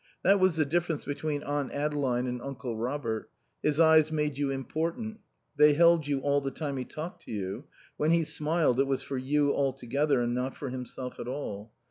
That was the difference between Aunt Adeline and Uncle Robert. His eyes made you important; they held you all the time he talked to you; when he smiled, it was for you altogether and not for himself at all.